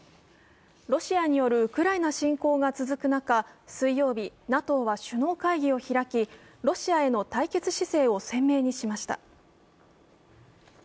ロシアによるウクライナ侵攻が続く中、水曜日、ＮＡＴＯは首脳会議を開き、ロシアへの対決姿勢を鮮明にしました。